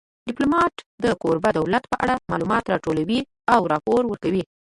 ډیپلومات د کوربه دولت په اړه معلومات راټولوي او راپور ورکوي